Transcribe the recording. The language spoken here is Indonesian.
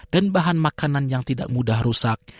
dan bahan makanan yang tidak mudah rusak